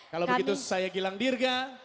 kalau begitu saya gilang dirga